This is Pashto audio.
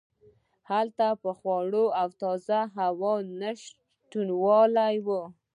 هلته به د خوړو او تازه هوا نشتوالی و.